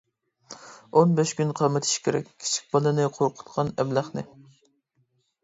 ئون بەش كۈن قامىتىش كېرەك، كىچىك بالىنى قورقۇتقان ئەبلەخنى!